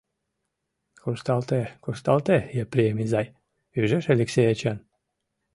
— Кушталте-кушталте, Епрем изай, — ӱжеш Элексей Эчан.